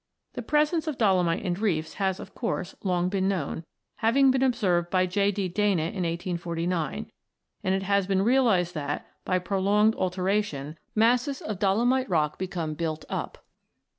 The presence of dolomite in reefs has, of course, long been known, having been observed by J. D. Dana in 1849, and it has been realised that, by prolonged alteration, masses of Dolomite Rock become built up(H).